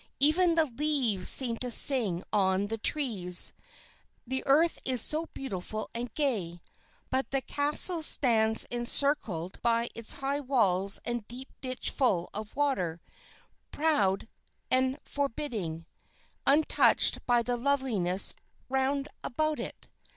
Even the leaves seem to sing on the trees, the earth is so beautiful and gay. But the castle stands encircled by its high walls and deep ditch full of water, proud, haughty and forbidding, untouched by the loveliness round about it.